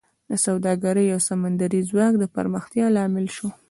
د سوداګرۍ او سمندري ځواک د پراختیا لامل شو